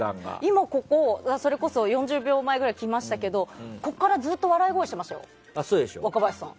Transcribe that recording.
今、それこそここに４０秒前に来ましたけどここからずっと笑い声してましたよ、若林さん。